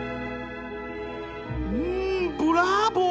うんブラボー！